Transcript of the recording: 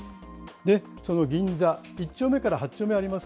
その銀座１丁目から８丁目あります